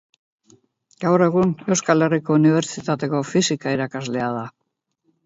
Gaur egun, Euskal Herriko Unibertsitateko Fisika irakaslea da.